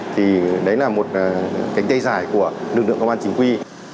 thì đấy là một cánh tay dài của lực lượng công an chính quy